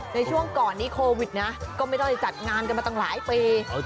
ในช่วงก่อนนี้โควิดนะก็ไม่ได้จัดงานกันมาตั้งหลายปี